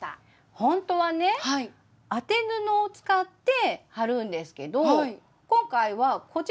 ほんとはね当て布を使って貼るんですけど今回はこちら。